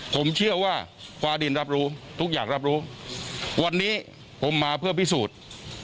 ผมเชื่อว่าฟ้าดินรับรู้ทุกอย่างรับรู้วันนี้ผมมาเพื่อพิสูจน์